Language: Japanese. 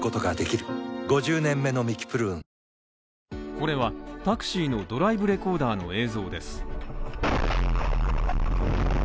これはタクシーのドライブレコーダーの映像です。